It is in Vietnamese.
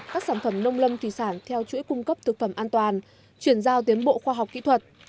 các sản phẩm nông lâm thủy sản theo chuỗi cung cấp thực phẩm an toàn chuyển giao tiến bộ khoa học kỹ thuật